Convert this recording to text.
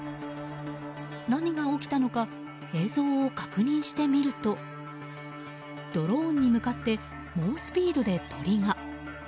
何が起きたのか映像を確認してみるとドローンに向かって猛スピードで鳥が。